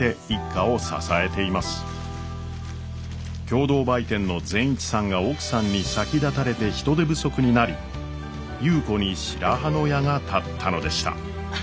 共同売店の善一さんが奥さんに先立たれて人手不足になり優子に白羽の矢が立ったのでした。